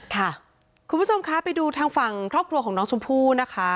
คุณผู้ชมคะไปดูทางฝั่งครอบครัวของน้องชมพู่นะคะ